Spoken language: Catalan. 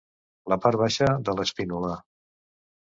La part baixa de l'espínula.